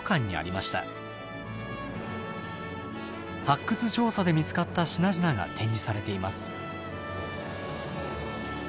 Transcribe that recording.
発掘調査で見つかった品々が展示されています。